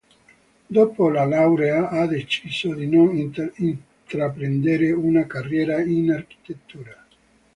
Dopo la laurea ha deciso di non intraprendere una carriera in architettura.